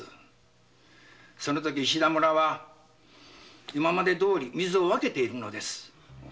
そのとき石田村は今までどおり水を分けているんです。